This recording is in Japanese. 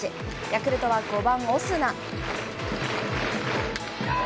ヤクルトは５番オスナ。